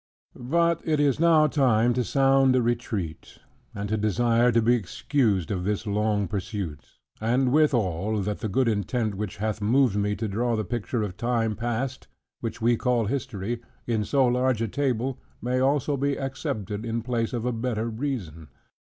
But it is now time to sound a retreat; and to desire to be excused of this long pursuit: and withal, that the good intent, which hath moved me to draw the picture of time past (which we call History) in so large a table, may also be accepted in place of a better reason.